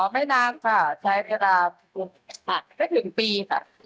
ไม่นานค่ะใช้เวลาสักถึงปีค่ะ